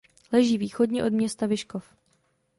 Leží východně od města Vyškov.